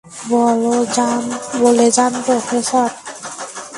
বলে যান, প্রফেসর।